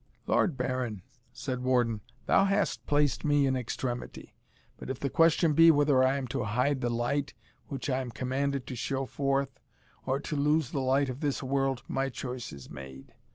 "Lord Baron," said Warden, "thou hast placed me in extremity. But if the question be, whether I am to hide the light which I am commanded to show forth, or to lose the light of this world, my choice is made.